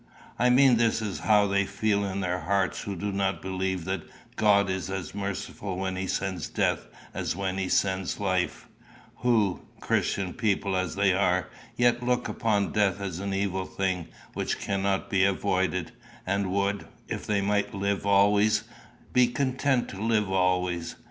I mean this is how they feel in their hearts who do not believe that God is as merciful when he sends death as when he sends life; who, Christian people as they are, yet look upon death as an evil thing which cannot be avoided, and would, if they might live always, be content to live always.